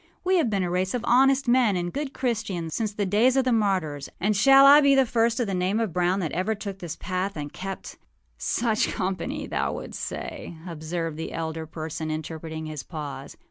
We have been a race of honest men and good Christians since the days of the martyrs; and shall I be the first of the name of Brown that ever took this path and keptââ âSuch company, thou wouldst say,â observed the elder person, interpreting his pause.